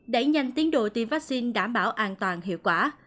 đẩy nhanh tiến độ tiêm vaccine đảm bảo an toàn hiệu quả